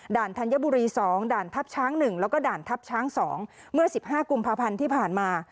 ธัญบุรี๒ด่านทัพช้าง๑แล้วก็ด่านทัพช้าง๒เมื่อ๑๕กุมภาพันธ์ที่ผ่านมา